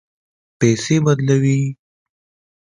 پیسې بدلوئ؟